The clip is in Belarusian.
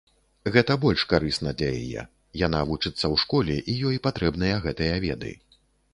Гэта больш карысна для яе, яна вучыцца ў школе, і ёй патрэбныя гэтыя веды.